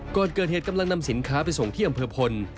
ก่อนเกิดเหตุกำลังนำสินค้าไปส่งที่อำเภอพล